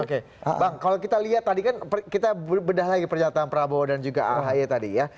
oke bang kalau kita lihat tadi kan kita bedah lagi pernyataan prabowo dan juga ahy tadi ya